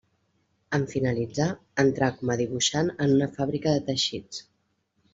En finalitzar, entrà com a dibuixant en una fàbrica de teixits.